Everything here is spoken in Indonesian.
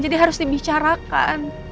jadi harus dibicarakan